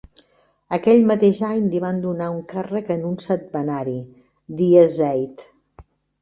Aquell mateix any li van donar un càrrec en un setmanari: Die Zeit.